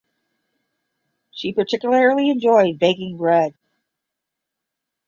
She particularly enjoyed baking bread.